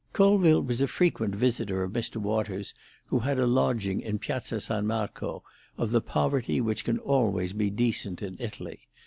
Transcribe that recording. Colville was a frequent visitor of Mr. Waters, who had a lodging in Piazza San Marco, of the poverty which can always be decent in Italy.